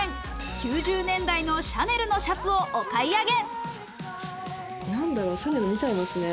９０年代のシャネルのシャツをお買い上げ。